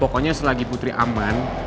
pokoknya selagi putri aman